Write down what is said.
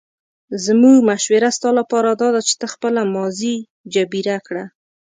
زموږ مشوره ستا لپاره داده چې ته خپله ماضي جبیره کړه.